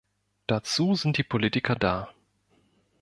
Dazu sind die Politiker da.